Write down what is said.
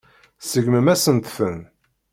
Tseggmem-asent-ten.